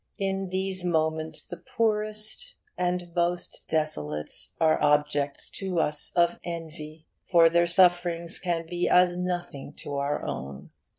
In these moments the poorest and most desolate are objects to us of envy, for their sufferings can be as nothing to our own.